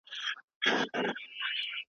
د ميرمنو تر منځ په قسم کي عدل کول لازم دي.